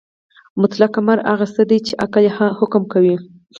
مطلق امر هغه څه دی چې عقل یې حکم کوي.